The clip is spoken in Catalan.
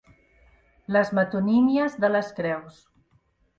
Les metonímies de les creus.